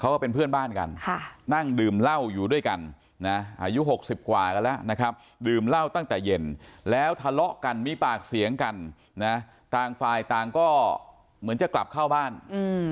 ก็เป็นเพื่อนบ้านกันค่ะนั่งดื่มเหล้าอยู่ด้วยกันนะอายุหกสิบกว่ากันแล้วนะครับดื่มเหล้าตั้งแต่เย็นแล้วทะเลาะกันมีปากเสียงกันนะต่างฝ่ายต่างก็เหมือนจะกลับเข้าบ้านอืม